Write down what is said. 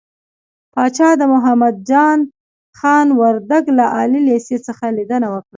پاچا د محمد جان خان وردک له عالي لېسې څخه ليدنه وکړه .